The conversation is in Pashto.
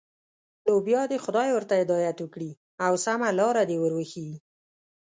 نو بیا دې خدای ورته هدایت وکړي او سمه لاره دې ور وښيي.